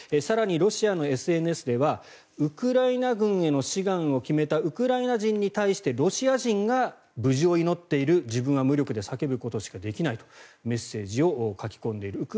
更にロシアのＳＮＳではウクライナ軍への志願を決めたウクライナ人に対してロシア人が無事を祈っている、自分は無力で叫ぶことしかできないとメッセージを書き込んでいる。